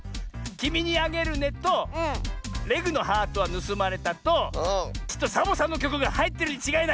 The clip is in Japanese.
「きみにあげるね」と「レグのハートがぬすまれた！」ときっとサボさんのきょくがはいってるにちがいない。